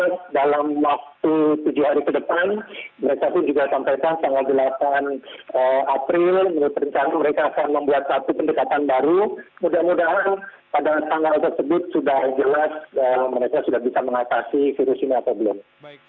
mudah mudahan pada tanggal tersebut sudah jelas mereka sudah bisa mengatasi virus ini atau belum